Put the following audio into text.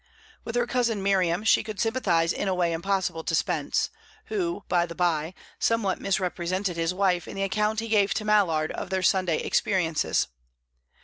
With her cousin Miriam she could sympathize in a way impossible to Spence, who, by the bye, somewhat misrepresented his wife in the account he gave to Mallard of their Sunday experiences.